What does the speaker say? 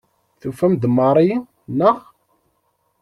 Tufam-d Mary, naɣ?